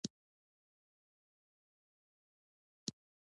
ایا د معدې مکروب مو معاینه کړی دی؟